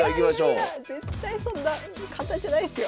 いやいやいや絶対そんな簡単じゃないですよ。